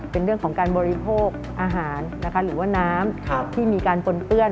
เป็นเรื่องของการบริโภคอาหารนะคะหรือว่าน้ำที่มีการปนเปื้อน